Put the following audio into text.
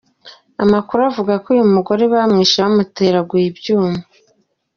Amakuru avugako uyu mugore bamwishe bamuteraguye ibyuma.